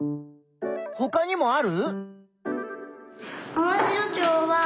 ほかにもある？